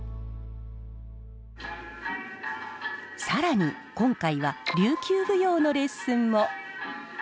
更に今回は琉球舞踊のレッスンも。